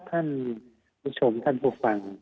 ท่านผู้ชมท่านผู้ฟัง